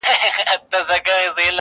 قلندر ويله هلته بيزووانه،